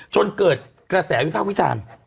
ชนเกิดกระแสวิภาควิสาร